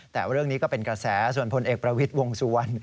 แต่ว่าเรื่องนี้ก็เป็นกระแสส่วนผลเอกประวิดวงส่วน